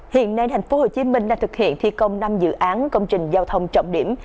hiện nay tp hcm đang thực hiện thi công năm dự án công trình giao thông trọng điểm